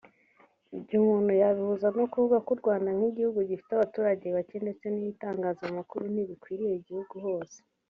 Ibyo umuntu yabihuza no kuvuga ko u Rwanda nk’igihugu gifite abaturage bake ndetse ibitangazamakuru ntibikwire igihugu hose